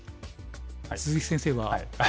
鈴木先生は。